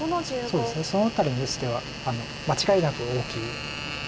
そうですねその辺りに打つ手は間違いなく大きい。